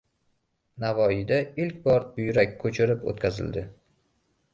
Navoiyda ilk bor buyrak ko‘chirib o‘tqazildi